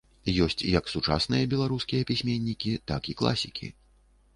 Ёсць як сучасныя беларускія пісьменнікі, так і класікі.